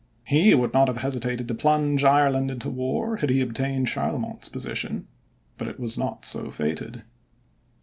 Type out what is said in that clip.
He would not have hesitated to plunge Ireland into war, had he obtained Charlemont's position. But it was not so fated.